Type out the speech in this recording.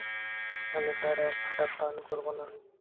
আমি আর এক ফোঁটা পান করব না।